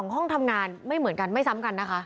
ห้องทำงานไม่เหมือนกันไม่ซ้ำกันนะคะ